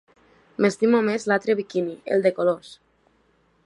M'estimo més l'altre biquini, el de colors.